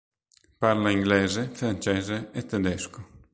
Parla inglese, francese e tedesco.